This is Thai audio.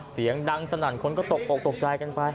เสียงดังสนั่นคนก็ตกออกตกใจกันไป